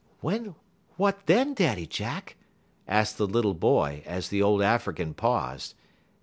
"What then, Daddy Jack?" asked the little boy, as the old African paused.